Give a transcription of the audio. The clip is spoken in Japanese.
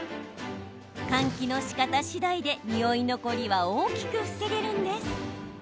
換気のしかた次第でにおい残りは大きく防げるんです。